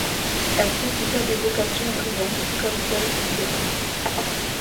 Elle suscita des vocations brillantes, comme celle d'Érasme.